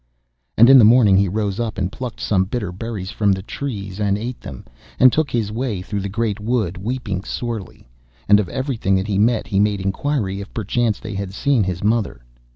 And in the morning he rose up, and plucked some bitter berries from the trees and ate them, and took his way through the great wood, weeping sorely. And of everything that he met he made inquiry if perchance they had seen his mother.